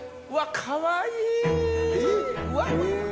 うわっかわいい！